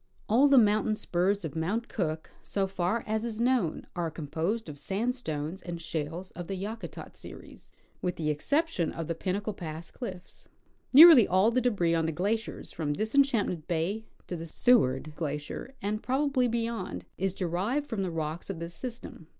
All the mountain sjjurs of Mount Cook, so far as is knoAvn, are composed of sandstones and shales of the Yakutat series, with the exception of the Pinnacle pass cliffs. Nearly all the debris on the glaciers from Disenchantment bay to the Seward glacier, and probably beyond, is derived from the rocks of this system.